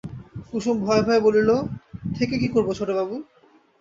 কুসুম ভয়ে ভয়ে বলিল, থেকে কী করব ছোটবাবু?